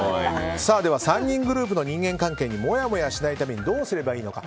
では３人グループの人間関係にもやもやしないためにどうすればいいのか。